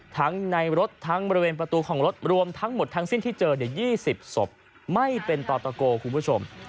ทั้งในรถทั้งบริเวณประตูของรถรวมทั้งหมดทั้งสิ้นที่เจอ๒๐ศพไม่เป็นต่อตะโกคุณผู้ชม